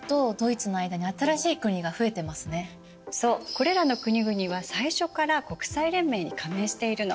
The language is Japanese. これらの国々は最初から国際連盟に加盟しているの。